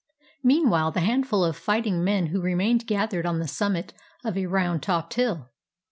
Meanwhile the handful of fighting men who remained gathered on the summit of a round topped hill.